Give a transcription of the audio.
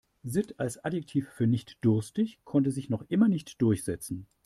Sitt als Adjektiv für nicht-durstig konnte sich noch immer nicht durchsetzen.